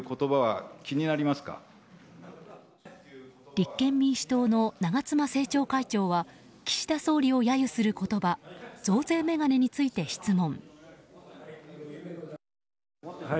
立憲民主党の長妻政調会長は岸田総理を揶揄する言葉増税メガネについて質問。